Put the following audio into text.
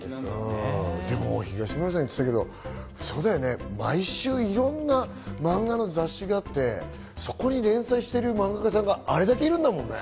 東村先生言ってたけど、毎週いろんな漫画の雑誌があって、そこに連載している漫画家さんがあれだけいるんだもんね。